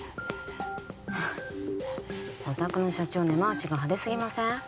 お宅の社長根回しが派手すぎません？